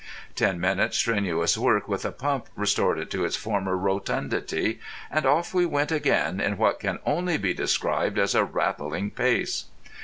Ten minutes' strenuous work with a pump restored it to its former rotundity, and off we went again at what can only be described as a rattling pace.